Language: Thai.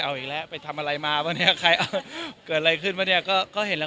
เอาอีกแล้วไปทำอะไรมาวันนี้ใครเอาเกิดอะไรขึ้นวะเนี่ยก็เห็นแล้ว